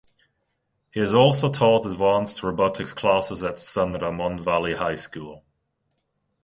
He has also taught advanced robotics classes at San Ramon Valley High School.